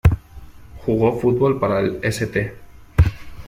Jugó fútbol para el St.